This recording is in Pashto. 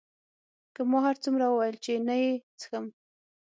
که ما هرڅومره وویل چې نه یې څښم.